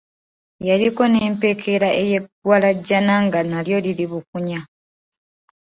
Yaliko n’empeekera ey’eggwalajjana nga nalyo liri bukunya.